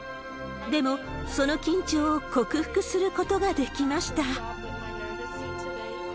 でも、その緊張を克服することができました。